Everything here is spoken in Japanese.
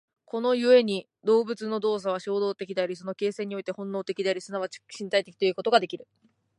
この故に動物の動作は衝動的であり、その形成において本能的であり、即ち身体的ということができる。